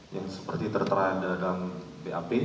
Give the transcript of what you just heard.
yang seperti tertera di dalam bap